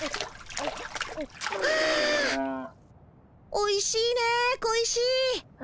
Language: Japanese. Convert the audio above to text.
おいしいねえ小石。